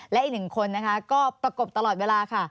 และอีกหนึ่งคนนะคะก็ประกบตลอดเวลาค่ะ